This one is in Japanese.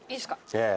ええ。